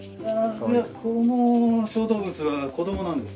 いやこの小動物は子供なんです。